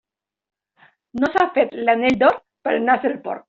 No s'ha fet l'anell d'or per al nas del porc.